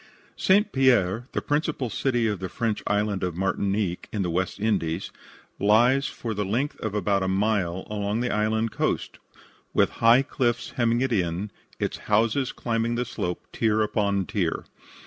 St. Pierre, the principal city of the French island of Martinique, in the West Indies, lies for the length of about a mile along the island coast, with high cliffs hemming it in, its houses climbing the slope, tier upon tier.